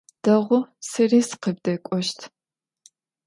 Дэгъу, сэри сыкъыбдэкӏощт.